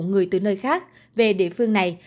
người từ nơi khác về địa phương này